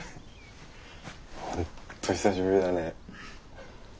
本当久しぶりだね。